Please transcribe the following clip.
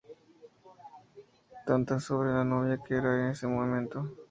Trata sobre la novia que era en ese momento.